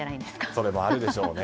それもあるでしょうね。